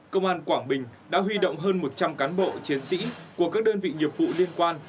công an quảng bình đã huy động hơn một trăm linh cán bộ chiến sĩ của các đơn vị nghiệp vụ liên quan